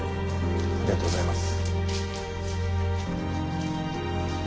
ありがとうございます。